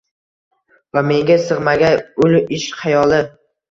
va menga sig’magay ul Ishq xayoli.